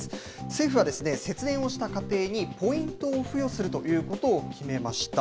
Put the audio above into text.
政府は節電をした家庭に、ポイントを付与するという方針を決めました。